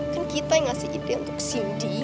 kan kita yang ngasih ide untuk siumdi